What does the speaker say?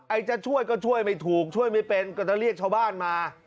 จะช่วยก็ช่วยไม่ถูกช่วยไม่เป็นก็จะเรียกชาวบ้านมา